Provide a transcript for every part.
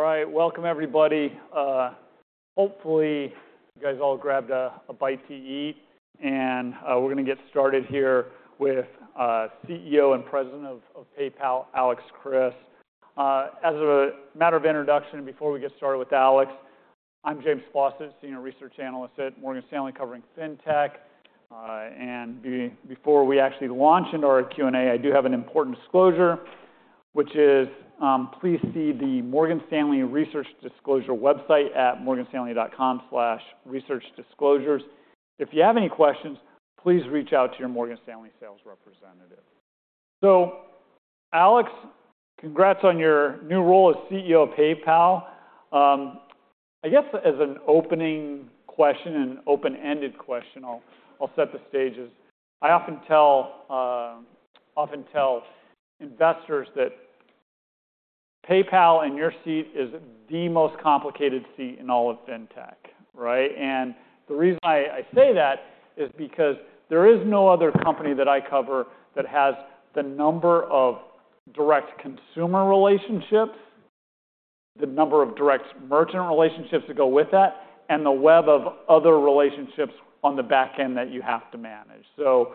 All right, welcome everybody. Hopefully, you guys all grabbed a bite to eat, and we're gonna get started here with CEO and President of PayPal, Alex Chriss. As a matter of introduction, before we get started with Alex, I'm James Faucette, Senior Research Analyst at Morgan Stanley, covering Fintech. And before we actually launch into our Q&A, I do have an important disclosure, which is, please see the Morgan Stanley Research Disclosure website at morganstanley.com/researchdisclosures. If you have any questions, please reach out to your Morgan Stanley sales representative. So Alex, congrats on your new role as CEO of PayPal. I guess as an opening question and open-ended question, I'll set the stages. I often tell investors that PayPal, in your seat, is the most complicated seat in all of Fintech, right? The reason I say that is because there is no other company that I cover that has the number of direct consumer relationships, the number of direct merchant relationships that go with that, and the web of other relationships on the back end that you have to manage. So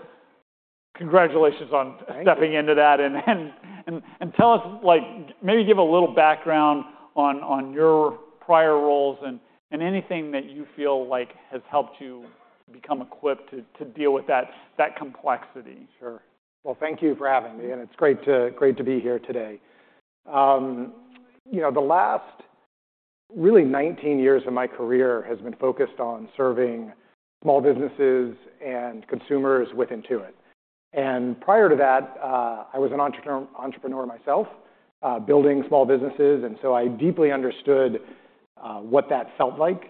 congratulations- Thank you... on stepping into that. And tell us, like, maybe give a little background on your prior roles and anything that you feel like has helped you become equipped to deal with that complexity. Sure. Well, thank you for having me, and it's great to be here today. You know, the last really 19 years of my career has been focused on serving small businesses and consumers with Intuit. And prior to that, I was an entrepreneur myself, building small businesses, and so I deeply understood what that felt like,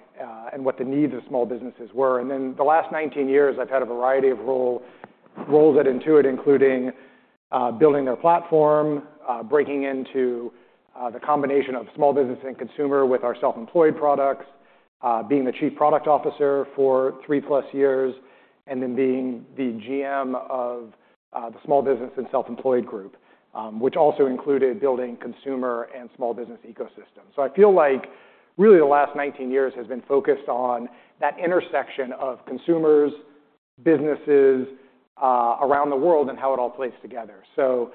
and what the needs of small businesses were. And then the last 19 years, I've had a variety of roles at Intuit, including building their platform, breaking into the combination of small business and consumer with our self-employed products, being the Chief Product Officer for 3+ years, and then being the GM of the Small Business and Self-Employed Group, which also included building consumer and small business ecosystems. So I feel like really the last 19 years has been focused on that intersection of consumers, businesses, around the world and how it all plays together. So,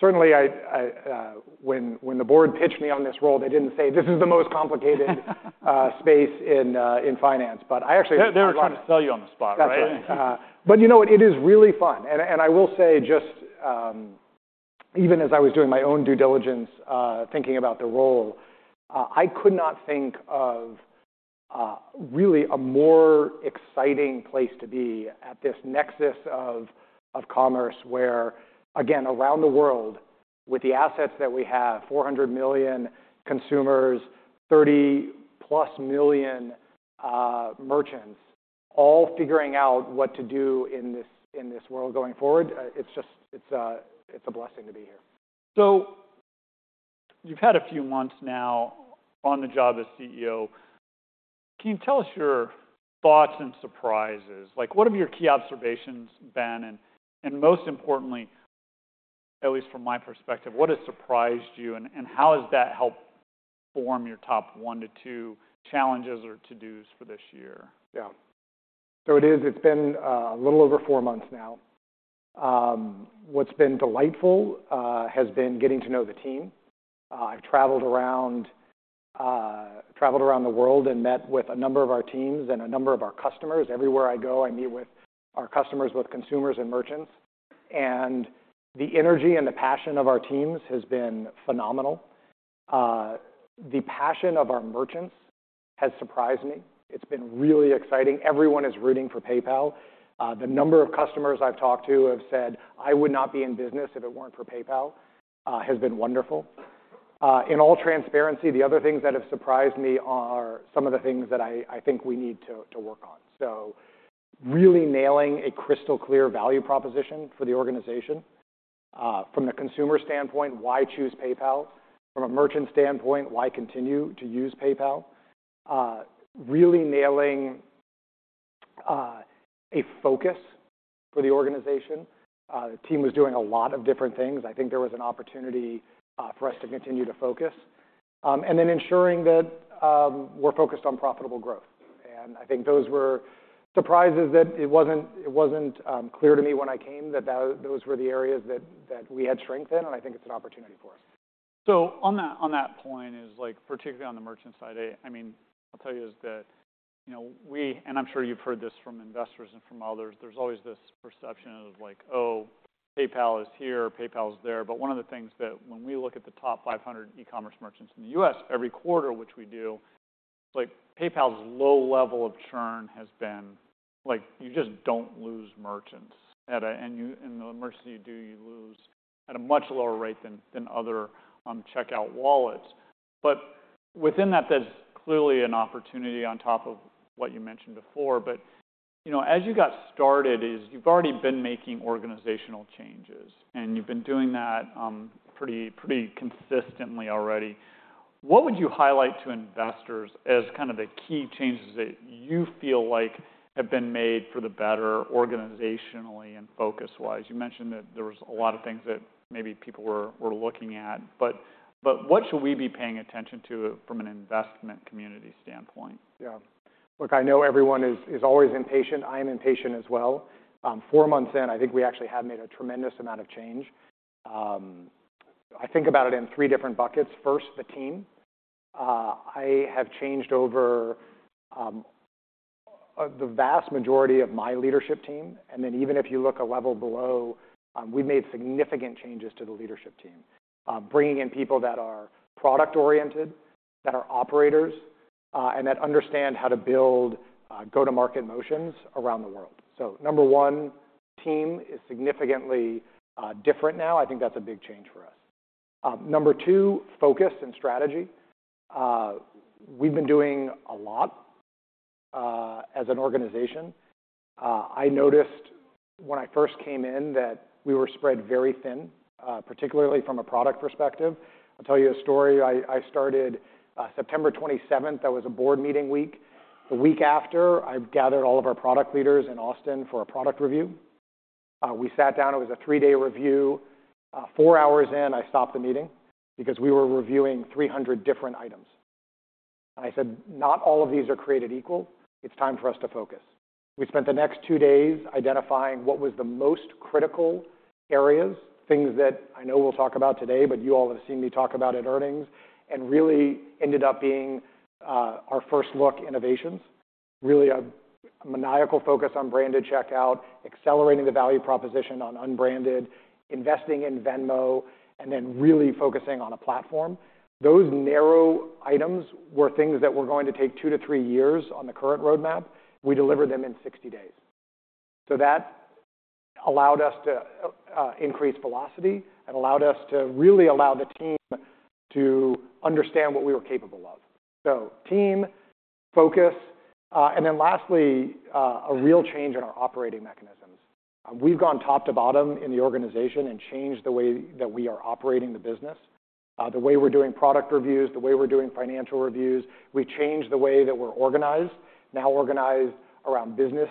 certainly, when the board pitched me on this role, they didn't say, "This is the most complicated space in finance." But I actually- They were trying to sell you on the spot, right? That's right. But you know what? It is really fun. And I will say just even as I was doing my own due diligence, thinking about the role, I could not think of really a more exciting place to be at this nexus of commerce, where, again, around the world, with the assets that we have, 400 million consumers, 30+ million merchants, all figuring out what to do in this world going forward, it's just a blessing to be here. So you've had a few months now on the job as CEO. Can you tell us your thoughts and surprises? Like, what have your key observations been? And most importantly, at least from my perspective, what has surprised you, and how has that helped form your top one to two challenges or to-dos for this year? Yeah. So it is, it's been a little over four months now. What's been delightful has been getting to know the team. I've traveled around, traveled around the world and met with a number of our teams and a number of our customers. Everywhere I go, I meet with our customers, with consumers and merchants, and the energy and the passion of our teams has been phenomenal. The passion of our merchants has surprised me. It's been really exciting. Everyone is rooting for PayPal. The number of customers I've talked to have said, "I would not be in business if it weren't for PayPal," has been wonderful. In all transparency, the other things that have surprised me are some of the things that I think we need to work on. So really nailing a crystal clear value proposition for the organization. From the consumer standpoint, why choose PayPal? From a merchant standpoint, why continue to use PayPal? Really nailing a focus for the organization. The team was doing a lot of different things. I think there was an opportunity for us to continue to focus, and then ensuring that we're focused on profitable growth. And I think those were surprises that it wasn't clear to me when I came, that those were the areas that we had strength in, and I think it's an opportunity for us. So on that point is, like, particularly on the merchant side, I mean, I'll tell you is that, you know, we. And I'm sure you've heard this from investors and from others, there's always this perception of like, Oh, PayPal is here, PayPal is there. But one of the things that when we look at the top 500 e-commerce merchants in the U.S., every quarter, which we do, it's like PayPal's low level of churn has been, like, you just don't lose merchants, and the merchants you do, you lose at a much lower rate than other checkout wallets. But within that, there's clearly an opportunity on top of what you mentioned before. But, you know, as you got started, is you've already been making organizational changes, and you've been doing that pretty, pretty consistently already. What would you highlight to investors as kind of the key changes that you feel like have been made for the better, organizationally and focus-wise? You mentioned that there was a lot of things that maybe people were looking at, but what should we be paying attention to from an investment community standpoint? Yeah... Look, I know everyone is, is always impatient. I am impatient as well. Four months in, I think we actually have made a tremendous amount of change. I think about it in three different buckets. First, the team. I have changed over the vast majority of my leadership team, and then even if you look a level below, we've made significant changes to the leadership team. Bringing in people that are product-oriented, that are operators, and that understand how to build go-to-market motions around the world. So number 1, team is significantly different now. I think that's a big change for us. Number 2, focus and strategy. We've been doing a lot as an organization. I noticed when I first came in that we were spread very thin, particularly from a product perspective. I'll tell you a story. I started September 27th. That was a board meeting week. The week after, I gathered all of our product leaders in Austin for a product review. We sat down, it was a 3-day review. 4 hours in, I stopped the meeting because we were reviewing 300 different items. I said, "Not all of these are created equal. It's time for us to focus." We spent the next 2 days identifying what was the most critical areas, things that I know we'll talk about today, but you all have seen me talk about at earnings, and really ended up being our First Look innovations, really a maniacal focus on branded checkout, accelerating the value proposition on unbranded, investing in Venmo, and then really focusing on a platform. Those narrow items were things that were going to take 2-3 years on the current roadmap. We delivered them in 60 days. So that allowed us to increase velocity and allowed us to really allow the team to understand what we were capable of. So team, focus, and then lastly, a real change in our operating mechanisms. We've gone top to bottom in the organization and changed the way that we are operating the business, the way we're doing product reviews, the way we're doing financial reviews. We changed the way that we're organized. Now organized around business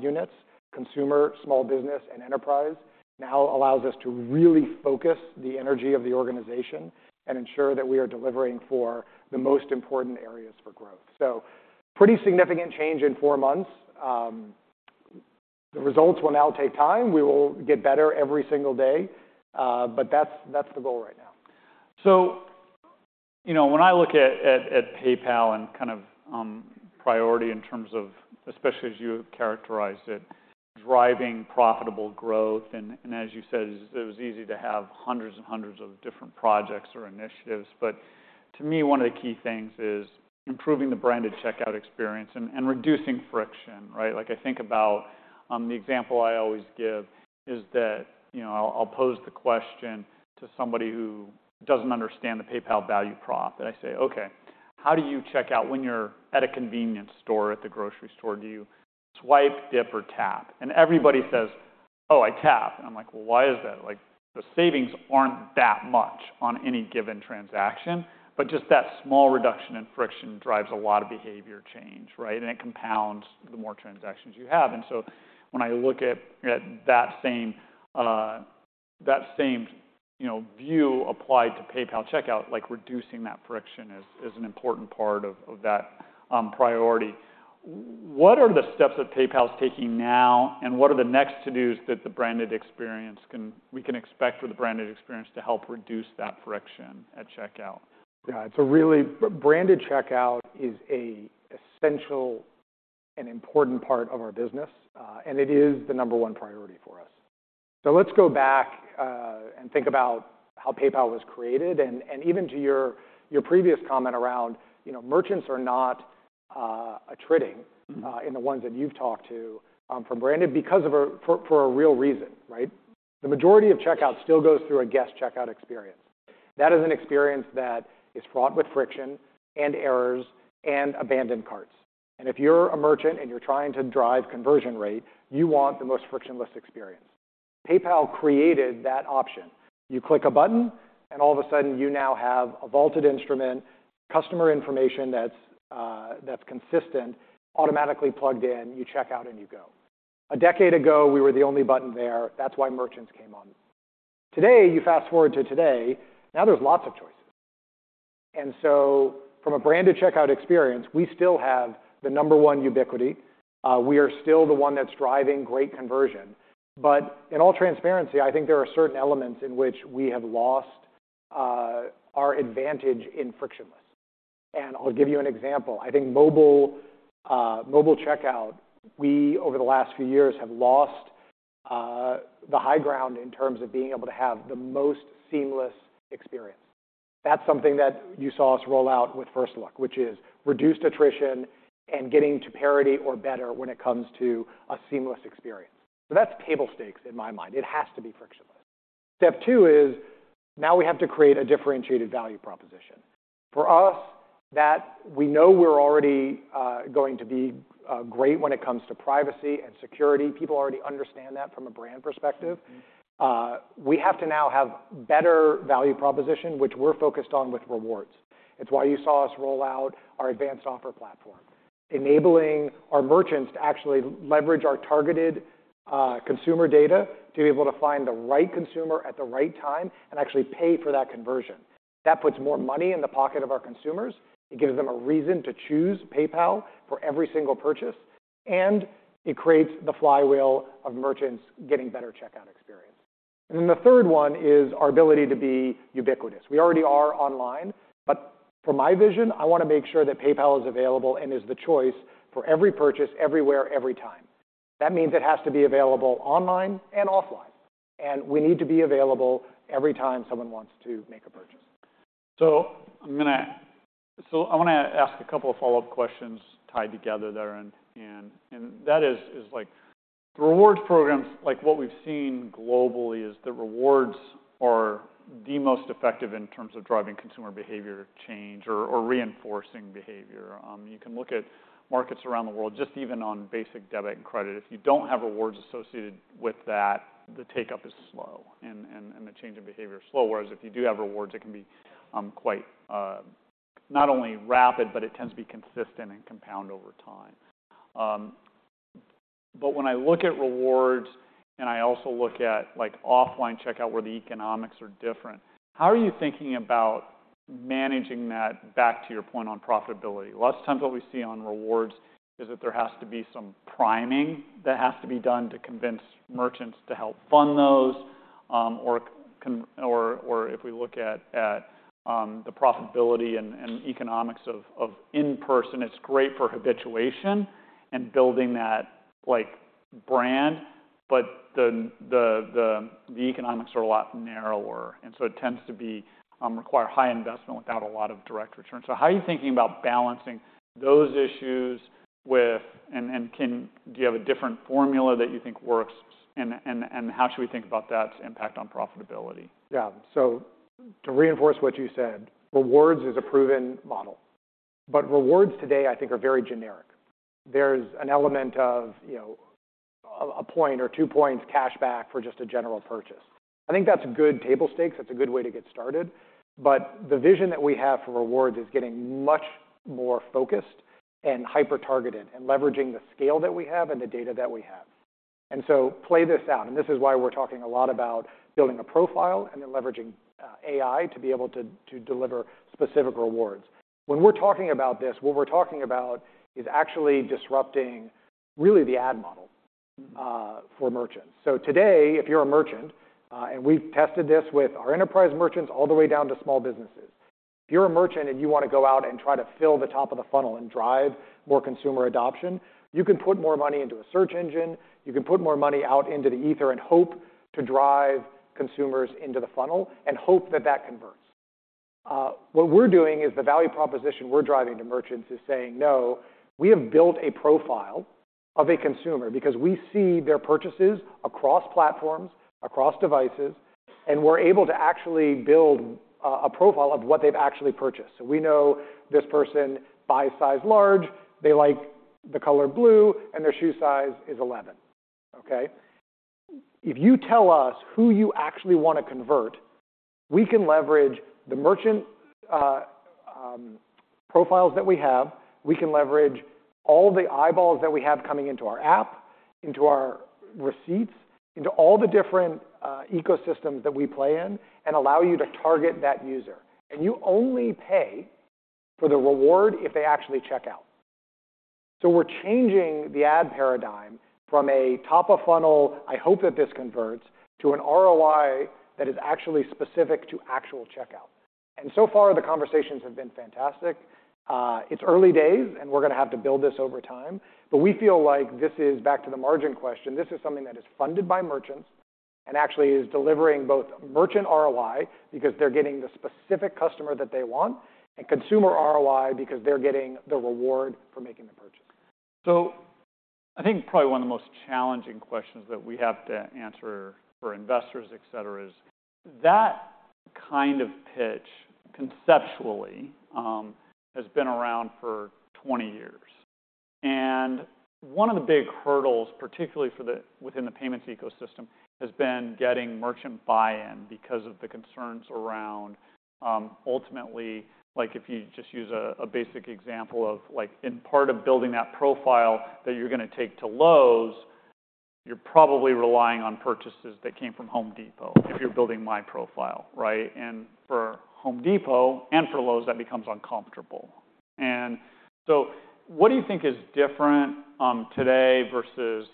units, consumer, small business, and enterprise. Now allows us to really focus the energy of the organization and ensure that we are delivering for the most important areas for growth. So pretty significant change in 4 months. The results will now take time. We will get better every single day, but that's, that's the goal right now. So, you know, when I look at PayPal and kind of priority in terms of, especially as you characterized it, driving profitable growth, and as you said, it was easy to have hundreds and hundreds of different projects or initiatives. But to me, one of the key things is improving the branded checkout experience and reducing friction, right? Like, I think about the example I always give is that, you know, I'll pose the question to somebody who doesn't understand the PayPal value prop. And I say: Okay, how do you check out when you're at a convenience store, at the grocery store? Do you swipe, dip, or tap? And everybody says, "Oh, I tap." And I'm like: Well, why is that? Like, the savings aren't that much on any given transaction, but just that small reduction in friction drives a lot of behavior change, right? And it compounds the more transactions you have. And so when I look at, at that same, that same, you know, view applied to PayPal checkout, like reducing that friction is an important part of that priority. What are the steps that PayPal is taking now, and what are the next to-dos that the branded experience we can expect for the branded experience to help reduce that friction at checkout? Yeah, it's a really essential and important part of our business, and it is the number one priority for us. So let's go back, and think about how PayPal was created, and even to your previous comment around, you know, merchants are not attriting in the ones that you've talked to from branded, because for a real reason, right? The majority of checkout still goes through a guest checkout experience. That is an experience that is fraught with friction and errors and abandoned carts. And if you're a merchant and you're trying to drive conversion rate, you want the most frictionless experience. PayPal created that option. You click a button, and all of a sudden, you now have a vaulted instrument, customer information that's consistent, automatically plugged in, you check out, and you go. A decade ago, we were the only button there. That's why merchants came on. Today, you fast-forward to today, now there's lots of choices. And so from a branded checkout experience, we still have the number one ubiquity. We are still the one that's driving great conversion. But in all transparency, I think there are certain elements in which we have lost our advantage in frictionless. And I'll give you an example. I think mobile, mobile checkout, we over the last few years have lost the high ground in terms of being able to have the most seamless experience. That's something that you saw us roll out with First Look, which is reduced attrition and getting to parity or better when it comes to a seamless experience. So that's table stakes in my mind. It has to be frictionless. Step two is now we have to create a differentiated value proposition. For us, that we know we're already going to be great when it comes to privacy and security. People already understand that from a brand perspective. We have to now have better value proposition, which we're focused on with rewards. It's why you saw us roll out our Advanced Offers Platform, enabling our merchants to actually leverage our targeted consumer data to be able to find the right consumer at the right time and actually pay for that conversion. That puts more money in the pocket of our consumers, it gives them a reason to choose PayPal for every single purchase, and it creates the flywheel of merchants getting better checkout experience. Then the third one is our ability to be ubiquitous. We already are online, but for my vision, I wanna make sure that PayPal is available and is the choice for every purchase, everywhere, every time. That means it has to be available online and offline, and we need to be available every time someone wants to make a purchase. I wanna ask a couple of follow-up questions tied together there, and that is, like, rewards programs, like what we've seen globally, is that rewards are the most effective in terms of driving consumer behavior change or reinforcing behavior. You can look at markets around the world, just even on basic debit and credit. If you don't have rewards associated with that, the take-up is slow, and the change in behavior is slow. Whereas if you do have rewards, it can be quite, not only rapid, but it tends to be consistent and compound over time. But when I look at rewards and I also look at like offline checkout, where the economics are different, how are you thinking about managing that back to your point on profitability? Lots of times what we see on rewards is that there has to be some priming that has to be done to convince merchants to help fund those. Or if we look at the profitability and economics of in-person, it's great for habituation and building that like brand, but the economics are a lot narrower, and so it tends to be require high investment without a lot of direct return. So how are you thinking about balancing those issues with... And do you have a different formula that you think works? And how should we think about that's impact on profitability? Yeah. So to reinforce what you said, rewards is a proven model, but rewards today I think are very generic. There's an element of, you know, a point or 2 points cashback for just a general purchase. I think that's good table stakes, that's a good way to get started, but the vision that we have for rewards is getting much more focused and hyper-targeted, and leveraging the scale that we have and the data that we have. And so play this out, and this is why we're talking a lot about building a profile and then leveraging AI to be able to deliver specific rewards. When we're talking about this, what we're talking about is actually disrupting really the ad model for merchants. So today, if you're a merchant, and we've tested this with our enterprise merchants all the way down to small businesses, if you're a merchant and you wanna go out and try to fill the top of the funnel and drive more consumer adoption, you can put more money into a search engine, you can put more money out into the ether and hope to drive consumers into the funnel and hope that that converts. What we're doing is the value proposition we're driving to merchants is saying, "No, we have built a profile of a consumer, because we see their purchases across platforms, across devices, and we're able to actually build a profile of what they've actually purchased." So we know this person buys size large, they like the color blue, and their shoe size is 11. Okay? If you tell us who you actually wanna convert, we can leverage the merchant profiles that we have, we can leverage all the eyeballs that we have coming into our app, into our receipts, into all the different ecosystems that we play in, and allow you to target that user. And you only pay for the reward if they actually check out. So we're changing the ad paradigm from a top-of-funnel, I hope that this converts, to an ROI that is actually specific to actual checkout. And so far, the conversations have been fantastic. It's early days, and we're gonna have to build this over time, but we feel like this is back to the margin question. This is something that is funded by merchants, and actually is delivering both merchant ROI, because they're getting the specific customer that they want, and consumer ROI, because they're getting the reward for making the purchase. So I think probably one of the most challenging questions that we have to answer for investors, et cetera, is that kind of pitch conceptually, has been around for 20 years. And one of the big hurdles, particularly within the payments ecosystem, has been getting merchant buy-in because of the concerns around, ultimately, like if you just use a basic example of like in part of building that profile that you're gonna take to Lowe's, you're probably relying on purchases that came from Home Depot, if you're building my profile, right? And for Home Depot and for Lowe's, that becomes uncomfortable. And so what do you think is different, today versus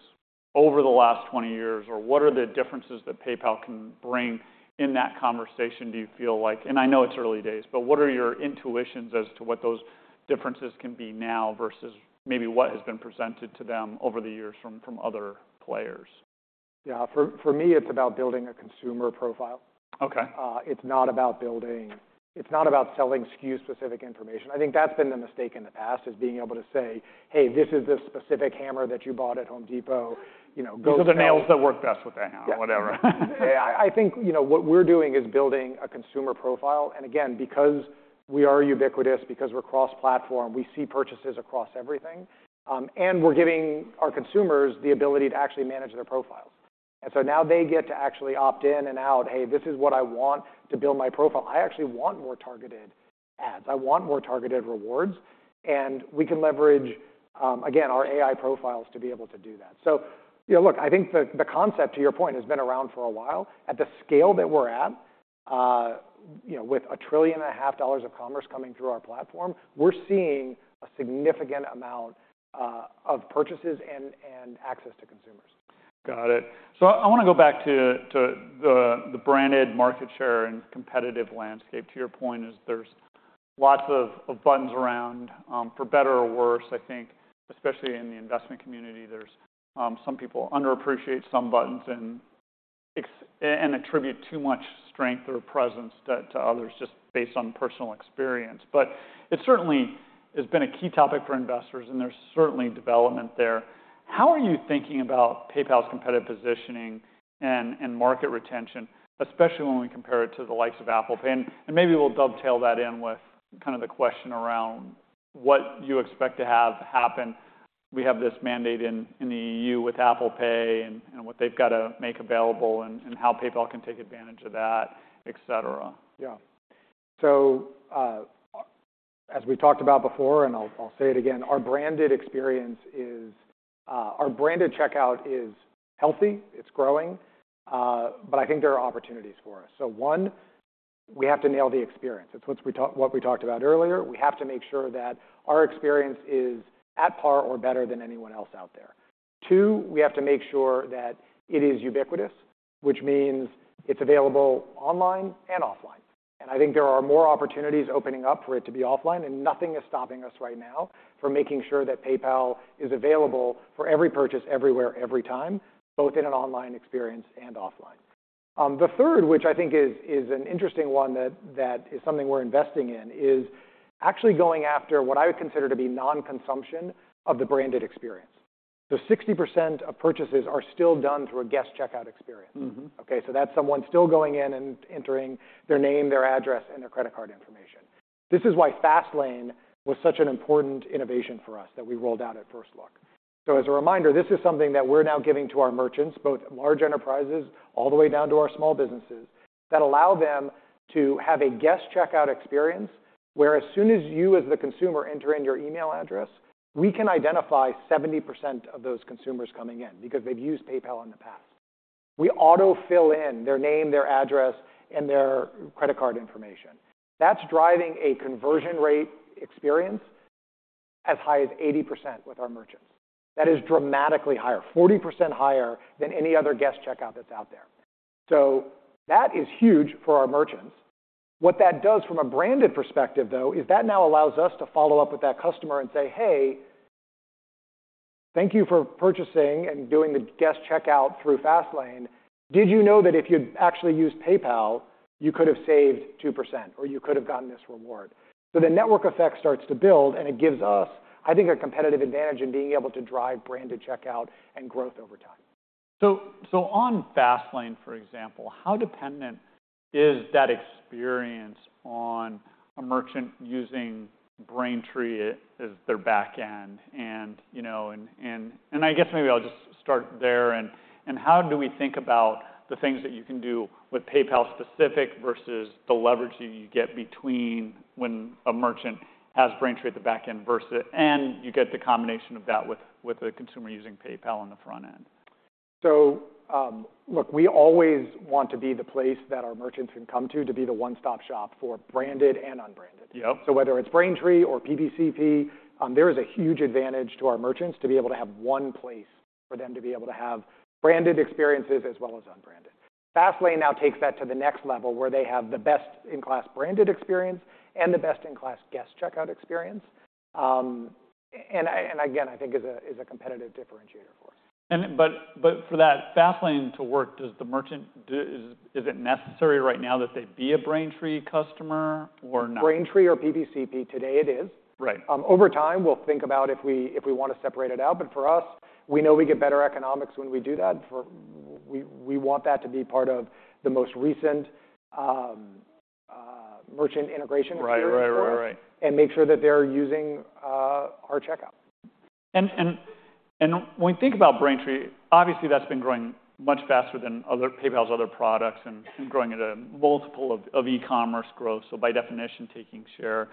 over the last 20 years? Or what are the differences that PayPal can bring in that conversation, do you feel like... I know it's early days, but what are your intuitions as to what those differences can be now versus maybe what has been presented to them over the years from other players? Yeah, for me, it's about building a consumer profile. Okay. It's not about building. It's not about selling SKU-specific information. I think that's been the mistake in the past, is being able to say, "Hey, this is the specific hammer that you bought at Home Depot. You know, go- These are the nails that work best with that hammer, whatever. Yeah. I, I think, you know, what we're doing is building a consumer profile, and again, because we are ubiquitous, because we're cross-platform, we see purchases across everything, and we're giving our consumers the ability to actually manage their profile. And so now they get to actually opt in and out, "Hey, this is what I want to build my profile. I actually want more targeted ads. I want more targeted rewards." And we can leverage, again, our AI profiles to be able to do that. So, you know, look, I think the, the concept, to your point, has been around for a while. At the scale that we're at, you know, with $1.5 trillion of commerce coming through our platform, we're seeing a significant amount of purchases and access to consumers. Got it. So I wanna go back to the branded market share and competitive landscape. To your point is there's lots of buttons around, for better or worse, I think, especially in the investment community, there's some people underappreciate some buttons and attribute too much strength or presence to others just based on personal experience. But it certainly has been a key topic for investors, and there's certainly development there. How are you thinking about PayPal's competitive positioning and market retention, especially when we compare it to the likes of Apple Pay? And maybe we'll dovetail that in with kind of the question around what you expect to have happen. We have this mandate in the EU with Apple Pay and what they've got to make available and how PayPal can take advantage of that, et cetera. Yeah. So, as we talked about before, and I'll say it again, our branded experience is, our branded checkout is healthy, it's growing, but I think there are opportunities for us. So one, we have to nail the experience. It's what we talked about earlier. We have to make sure that our experience is at par or better than anyone else out there. Two, we have to make sure that it is ubiquitous, which means it's available online and offline. And I think there are more opportunities opening up for it to be offline, and nothing is stopping us right now from making sure that PayPal is available for every purchase, everywhere, every time, both in an online experience and offline. The third, which I think is an interesting one that is something we're investing in, is actually going after what I would consider to be non-consumption of the branded experience. So 60% of purchases are still done through a guest checkout experience. Mm-hmm. Okay, so that's someone still going in and entering their name, their address, and their credit card information. This is why Fastlane was such an important innovation for us that we rolled out at first look. So as a reminder, this is something that we're now giving to our merchants, both large enterprises all the way down to our small businesses, that allow them to have a guest checkout experience, where as soon as you, as the consumer, enter in your email address, we can identify 70% of those consumers coming in because they've used PayPal in the past. We auto-fill in their name, their address, and their credit card information. That's driving a conversion rate experience as high as 80% with our merchants. That is dramatically higher, 40% higher than any other guest checkout that's out there. So that is huge for our merchants. What that does from a branded perspective, though, is that now allows us to follow up with that customer and say, "Hey, thank you for purchasing and doing the guest checkout through Fastlane. Did you know that if you'd actually used PayPal, you could have saved 2%, or you could have gotten this reward?" So the network effect starts to build, and it gives us, I think, a competitive advantage in being able to drive branded checkout and growth over time. So, on Fastlane, for example, how dependent is that experience on a merchant using Braintree as their back end? And you know, I guess maybe I'll just start there, and how do we think about the things that you can do with PayPal specific versus the leverage that you get between when a merchant has Braintree at the back end versus and you get the combination of that with a consumer using PayPal on the front end? Look, we always want to be the place that our merchants can come to, to be the one-stop shop for branded and unbranded. Yep. So whether it's Braintree or PPCP, there is a huge advantage to our merchants to be able to have one place for them to be able to have branded experiences as well as unbranded. Fastlane now takes that to the next level, where they have the best-in-class branded experience and the best-in-class guest checkout experience. And again, I think it is a competitive differentiator for us. But for that Fastlane to work, is it necessary right now that they be a Braintree customer or not? Braintree or PPCP, today it is. Right. Over time, we'll think about if we want to separate it out, but for us, we know we get better economics when we do that, for we want that to be part of the most recent merchant integration- Right. Right. Right.... and make sure that they're using our checkout. When we think about Braintree, obviously, that's been growing much faster than PayPal's other products and growing at a multiple of e-commerce growth, so by definition, taking share.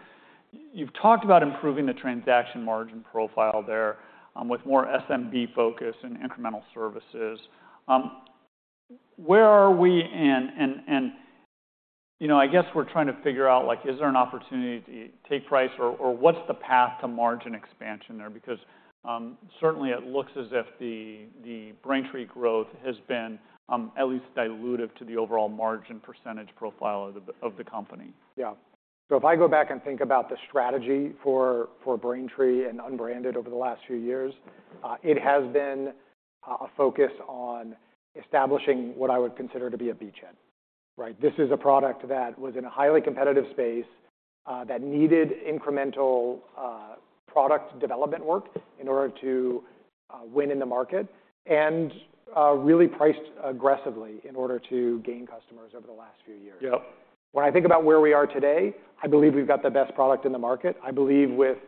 You've talked about improving the transaction margin profile there, with more SMB focus and incremental services. Where are we in, you know, I guess we're trying to figure out, like, is there an opportunity to take price or what's the path to margin expansion there? Because certainly it looks as if the Braintree growth has been at least dilutive to the overall margin percentage profile of the company. Yeah. So if I go back and think about the strategy for Braintree and unbranded over the last few years, it has been a focus on establishing what I would consider to be a beachhead. Right? This is a product that was in a highly competitive space, that needed incremental product development work in order to win in the market, and really priced aggressively in order to gain customers over the last few years. Yep. When I think about where we are today, I believe we've got the best product in the market. I believe with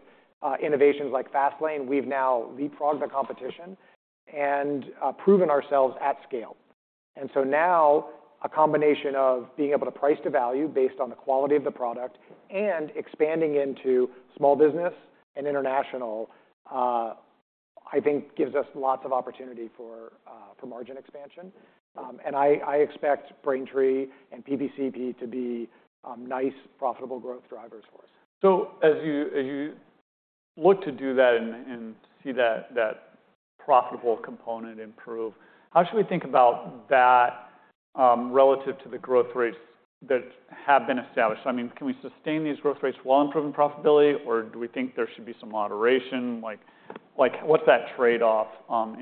innovations like Fastlane, we've now leapfrogged the competition and proven ourselves at scale. And so now a combination of being able to price to value based on the quality of the product and expanding into small business and international, I think gives us lots of opportunity for margin expansion. And I expect Braintree and PPCP to be nice, profitable growth drivers for us. So as you look to do that and see that profitable component improve, how should we think about that relative to the growth rates that have been established? I mean, can we sustain these growth rates while improving profitability, or do we think there should be some moderation? Like, what's that trade-off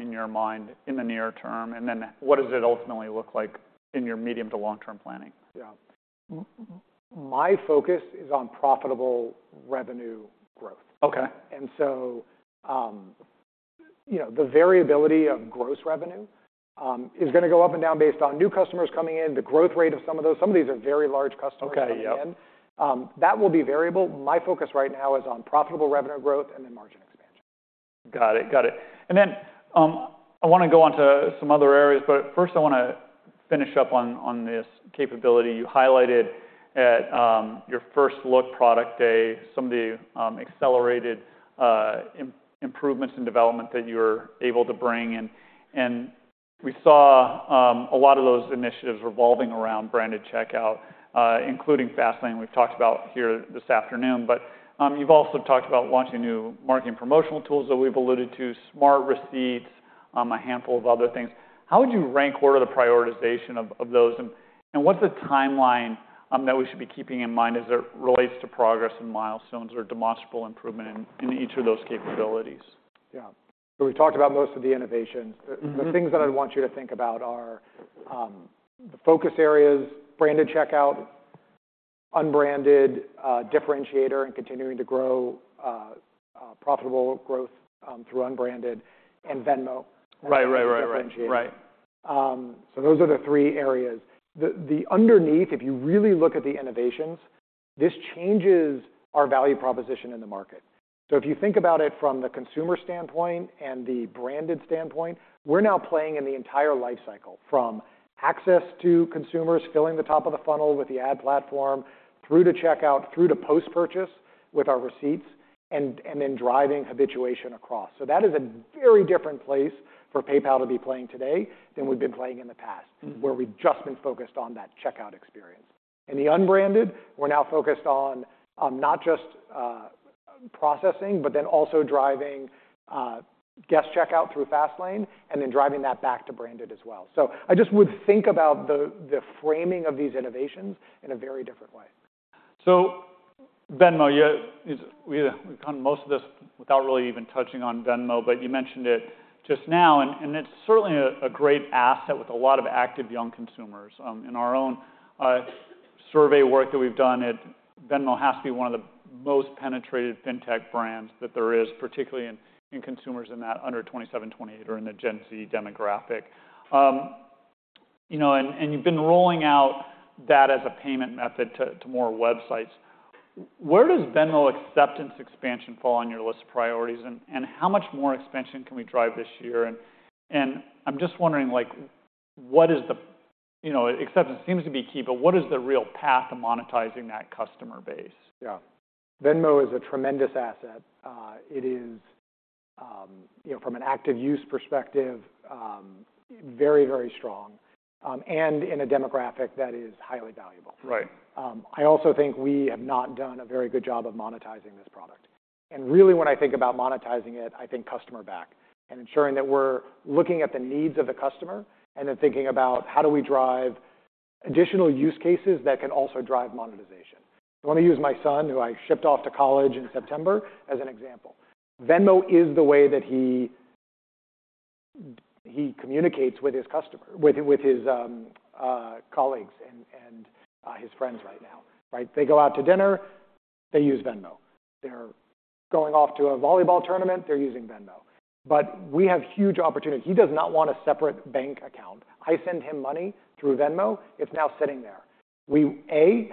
in your mind in the near term, and then what does it ultimately look like in your medium to long-term planning? Yeah. My focus is on profitable revenue growth. Okay. And so, you know, the variability of gross revenue is gonna go up and down based on new customers coming in, the growth rate of some of those. Some of these are very large customers coming in. Okay. Yep. That will be variable. My focus right now is on profitable revenue growth and then margin expansion. Got it. Got it. And then I want to go on to some other areas, but first I want to finish up on this capability you highlighted at your first look product day, some of the accelerated improvements in development that you were able to bring in. And we saw a lot of those initiatives revolving around branded checkout, including Fastlane. We've talked about here this afternoon, but you've also talked about launching new marketing promotional tools that we've alluded to, Smart Receipts, a handful of other things. How would you rank where the prioritization of those, and what's the timeline that we should be keeping in mind as it relates to progress and milestones or demonstrable improvement in each of those capabilities? Yeah. So we've talked about most of the innovations. The things that I'd want you to think about are the focus areas, branded checkout, unbranded, differentiator, and continuing to grow profitable growth through unbranded and Venmo. Right, right, right, right. Differentiator. Right. So those are the three areas. The underneath, if you really look at the innovations, this changes our value proposition in the market. So if you think about it from the consumer standpoint and the branded standpoint, we're now playing in the entire life cycle, from access to consumers, filling the top of the funnel with the ad platform, through to checkout, through to post-purchase with our receipts, and then driving habituation across. So that is a very different place for PayPal to be playing today than we've been playing in the past-... where we've just been focused on that checkout experience. In the unbranded, we're now focused on not just processing, but then also driving guest checkout through Fastlane, and then driving that back to branded as well. So I just would think about the framing of these innovations in a very different way. So Venmo, you, we've gone most of this without really even touching on Venmo, but you mentioned it just now, and it's certainly a great asset with a lot of active young consumers. In our own survey work that we've done, Venmo has to be one of the most penetrated fintech brands that there is, particularly in consumers in that under 27, 28 or in the Gen Z demographic. You know, and you've been rolling out that as a payment method to more websites. Where does Venmo acceptance expansion fall on your list of priorities, and how much more expansion can we drive this year? And I'm just wondering, like, what is the... You know, acceptance seems to be key, but what is the real path to monetizing that customer base? Yeah. Venmo is a tremendous asset. It is, you know, from an active use perspective, very, very strong, and in a demographic that is highly valuable. Right. I also think we have not done a very good job of monetizing this product. And really, when I think about monetizing it, I think customer back and ensuring that we're looking at the needs of the customer and then thinking about: How do we drive additional use cases that can also drive monetization? I want to use my son, who I shipped off to college in September, as an example. Venmo is the way that he communicates with his customer, with his colleagues and his friends right now, right? They go out to dinner, they use Venmo. They're going off to a volleyball tournament, they're using Venmo. But we have huge opportunity. He does not want a separate bank account. I send him money through Venmo, it's now sitting there. We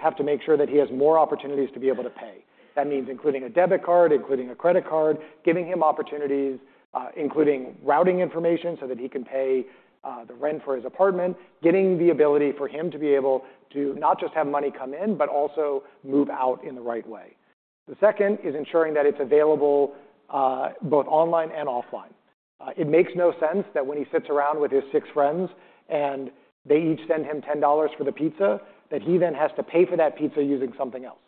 have to make sure that he has more opportunities to be able to pay. That means including a debit card, including a credit card, giving him opportunities, including routing information, so that he can pay the rent for his apartment, getting the ability for him to be able to not just have money come in, but also move out in the right way. The second is ensuring that it's available both online and offline. It makes no sense that when he sits around with his six friends and they each send him $10 for the pizza, that he then has to pay for that pizza using something else.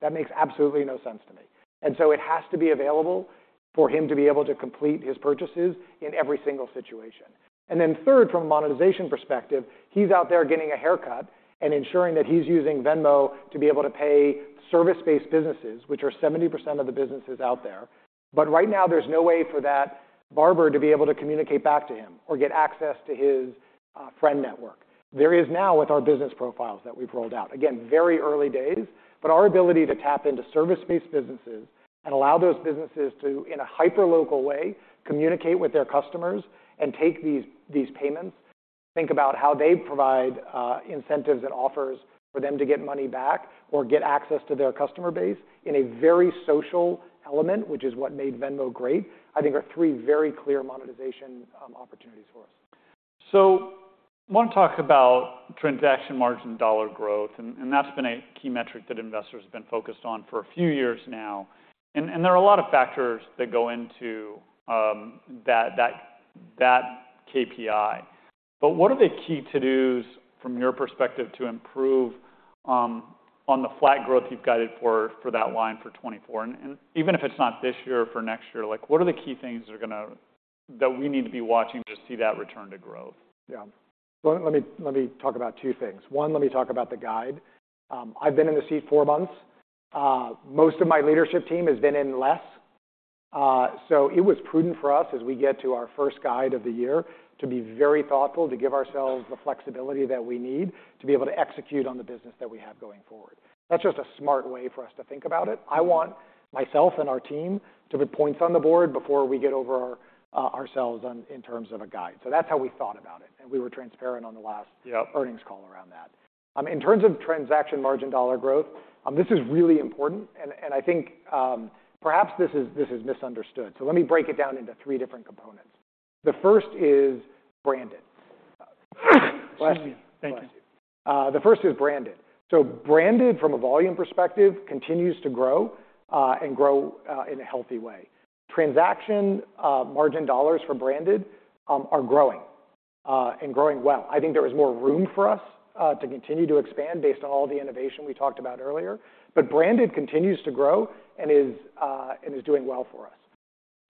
That makes absolutely no sense to me. And so it has to be available for him to be able to complete his purchases in every single situation. And then third, from a monetization perspective, he's out there getting a haircut and ensuring that he's using Venmo to be able to pay service-based businesses, which are 70% of the businesses out there. But right now, there's no way for that barber to be able to communicate back to him or get access to his friend network. There is now with our Business Profiles that we've rolled out. Again, very early days, but our ability to tap into service-based businesses and allow those businesses to, in a hyperlocal way, communicate with their customers and take these payments. Think about how they provide incentives and offers for them to get money back or get access to their customer base in a very social element, which is what made Venmo great, I think are three very clear monetization opportunities for us. So I want to talk about transaction margin dollar growth, and that's been a key metric that investors have been focused on for a few years now. And there are a lot of factors that go into that KPI. But what are the key to-dos from your perspective to improve on the flat growth you've guided for that line for 2024? And even if it's not this year or for next year, like, what are the key things that we need to be watching to see that return to growth? Yeah. Let me talk about two things. One, let me talk about the guide. I've been in the seat four months. Most of my leadership team has been in less, so it was prudent for us as we get to our first guide of the year, to be very thoughtful, to give ourselves the flexibility that we need to be able to execute on the business that we have going forward. That's just a smart way for us to think about it. I want myself and our team to put points on the board before we get over ourselves in terms of a guide. So that's how we thought about it, and we were transparent on the last- Yeah earnings call around that. In terms of transaction margin dollar growth, this is really important, and I think, perhaps this is misunderstood. So let me break it down into three different components. The first is branded. Bless you. Thank you. The first is branded. So branded, from a volume perspective, continues to grow, and grow, in a healthy way. Transaction margin dollars for branded are growing, and growing well. I think there is more room for us to continue to expand based on all the innovation we talked about earlier. But branded continues to grow and is, and is doing well for us.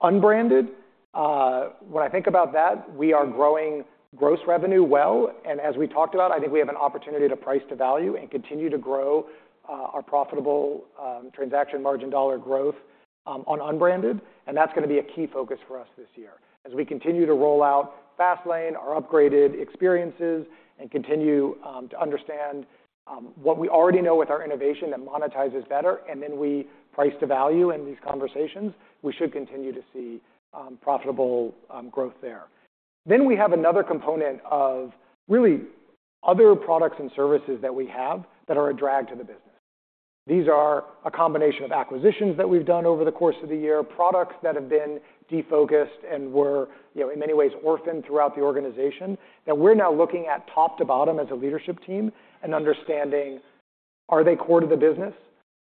Unbranded, when I think about that, we are growing gross revenue well, and as we talked about, I think we have an opportunity to price to value and continue to grow our profitable transaction margin dollar growth on unbranded, and that's gonna be a key focus for us this year. As we continue to roll out Fastlane, our upgraded experiences, and continue to understand what we already know with our innovation that monetizes better, and then we price to value in these conversations, we should continue to see profitable growth there. Then we have another component of really other products and services that we have that are a drag to the business. These are a combination of acquisitions that we've done over the course of the year, products that have been defocused and were, you know, in many ways orphaned throughout the organization, that we're now looking at top to bottom as a leadership team and understanding, are they core to the business?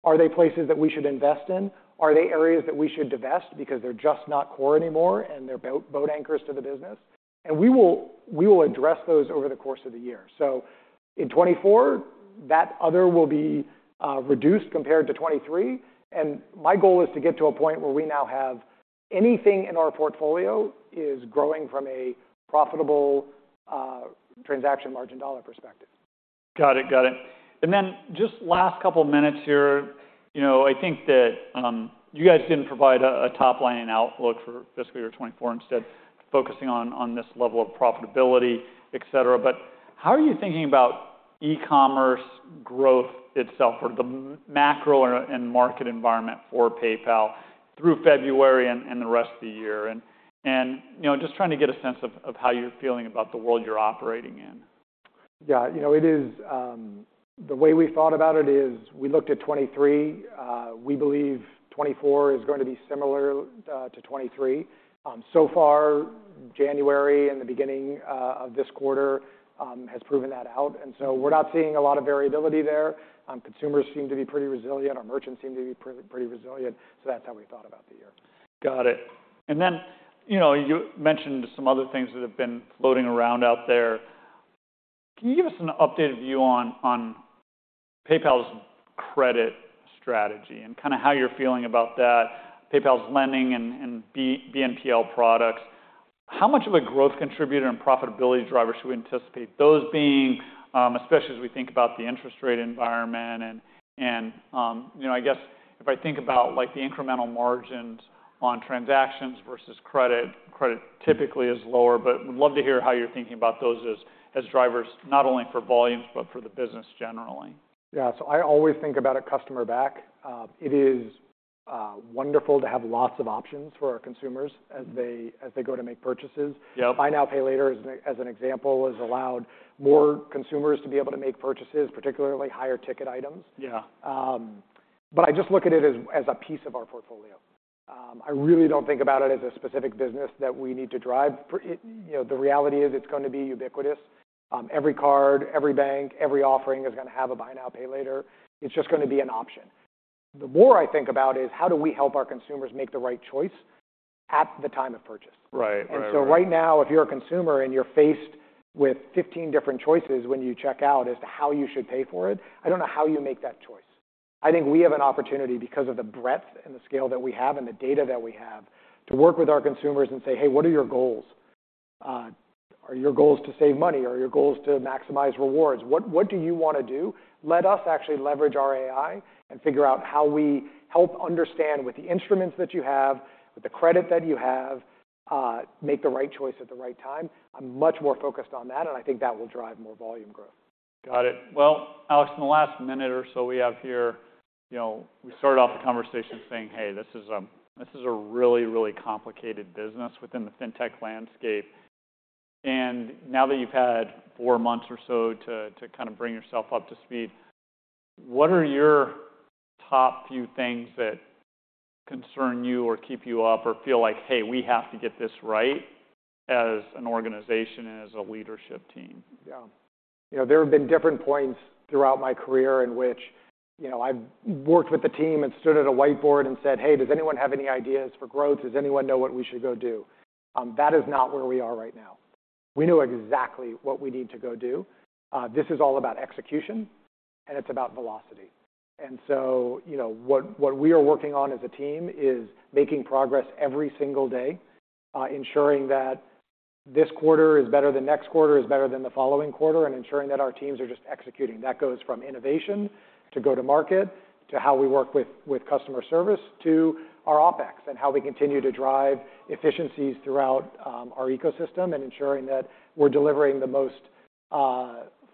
Are they places that we should invest in? Are they areas that we should divest because they're just not core anymore and they're boat anchors to the business? And we will, we will address those over the course of the year. So in 2024, that other will be reduced compared to 2023, and my goal is to get to a point where we now have anything in our portfolio is growing from a profitable transaction margin dollar perspective. Got it. Got it. And then just last couple minutes here, you know, I think that, you guys didn't provide a top-line outlook for fiscal year 2024, instead focusing on this level of profitability, et cetera, but how are you thinking about e-commerce growth itself or the macro and market environment for PayPal through February and the rest of the year? And, you know, just trying to get a sense of how you're feeling about the world you're operating in. Yeah, you know, it is. The way we thought about it is, we looked at 2023. We believe 2024 is going to be similar to 2023. So far, January and the beginning of this quarter has proven that out, and so we're not seeing a lot of variability there. Consumers seem to be pretty resilient. Our merchants seem to be pretty, pretty resilient, so that's how we thought about the year. Got it. And then, you know, you mentioned some other things that have been floating around out there. Can you give us an updated view on PayPal's credit strategy and kind of how you're feeling about that, PayPal's lending and BNPL products? How much of a growth contributor and profitability driver should we anticipate those being, especially as we think about the interest rate environment? And you know, I guess if I think about, like, the incremental margins on transactions versus credit, credit typically is lower, but would love to hear how you're thinking about those as drivers, not only for volumes, but for the business generally. Yeah. So I always think about it customer back. It is wonderful to have lots of options for our consumers as they, as they go to make purchases. Yep. Buy now, pay later, as an example, has allowed more consumers to be able to make purchases, particularly higher ticket items. Yeah. But I just look at it as, as a piece of our portfolio. I really don't think about it as a specific business that we need to drive. You know, the reality is it's going to be ubiquitous. Every card, every bank, every offering is gonna have a buy now, pay later. It's just gonna be an option. The more I think about is, how do we help our consumers make the right choice at the time of purchase? Right. Right. And so right now, if you're a consumer and you're faced with 15 different choices when you check out as to how you should pay for it, I don't know how you make that choice. I think we have an opportunity because of the breadth and the scale that we have and the data that we have to work with our consumers and say, "Hey, what are your goals? Are your goals to save money? Are your goals to maximize rewards? What, what do you wanna do? Let us actually leverage our AI and figure out how we help understand, with the instruments that you have, with the credit that you have, make the right choice at the right time." I'm much more focused on that, and I think that will drive more volume growth. Got it. Well, Alex, in the last minute or so we have here, you know, we started off the conversation saying, "Hey, this is, this is a really, really complicated business within the fintech landscape." And now that you've had four months or so to, to kind of bring yourself up to speed, what are your top few things that concern you or keep you up or feel like, "Hey, we have to get this right as an organization and as a leadership team? Yeah. You know, there have been different points throughout my career in which, you know, I've worked with the team and stood at a whiteboard and said, "Hey, does anyone have any ideas for growth? Does anyone know what we should go do?" That is not where we are right now. We know exactly what we need to go do. This is all about execution, and it's about velocity. And so, you know, what we are working on as a team is making progress every single day, ensuring that this quarter is better than next quarter, is better than the following quarter, and ensuring that our teams are just executing. That goes from innovation, to go to market, to how we work with, with customer service, to our OpEx, and how we continue to drive efficiencies throughout our ecosystem, and ensuring that we're delivering the most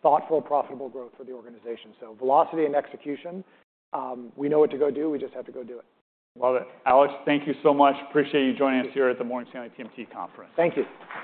thoughtful, profitable growth for the organization. So velocity and execution, we know what to go do. We just have to go do it. Love it. Alex, thank you so much. Appreciate you joining us here at the Morgan Stanley TMT Conference. Thank you.